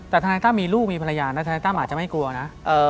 แต่ธนาคตะมีลูกมีภรรยาธนาคตะมอาจจะไม่กลัวนะ